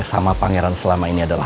sama pangeran selama ini adalah